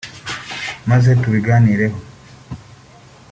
maze tubiganireho